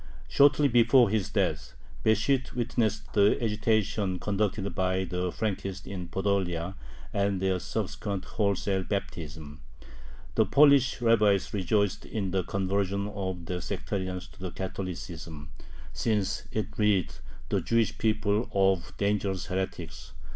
Shortly before his death, Besht witnessed the agitation conducted by the Frankists in Podolia and their subsequent wholesale baptism. The Polish rabbis rejoiced in the conversion of the sectarians to Catholicism, since it rid the Jewish people of dangerous heretics.